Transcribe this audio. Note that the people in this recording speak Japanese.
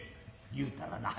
言うたらなあ